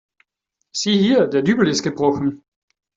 Sieh hier, der Dübel ist gebrochen.